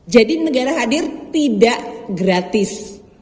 jadi negara hadir tidak gratis